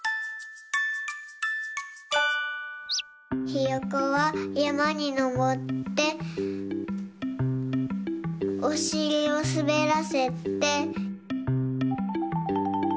ひよこはやまにのぼっておしりをすべらせて。